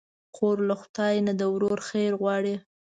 خور له خدای نه د ورور خیر غواړي.